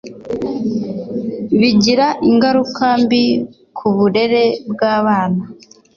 bigira ingaruka mbi ku burere bw’abana”